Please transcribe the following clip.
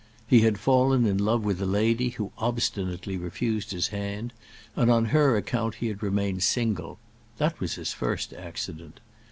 He had fallen in love with a lady who obstinately refused his hand, and on her account he had remained single; that was his first accident.